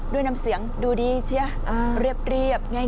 ด้วยน้ำเสียงดูดีเชียเรียบง่าย